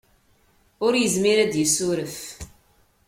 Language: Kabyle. Ur yezmir ad d-yessuref.